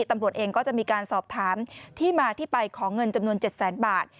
ตำรวจเองก็จะมีการสอบถามที่มาที่ไปของเงินจำนวน๗แสนบาท